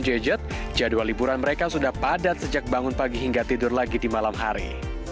jajat jadwal liburan mereka sudah padat sejak bangun pagi hingga tidur lagi di malam hari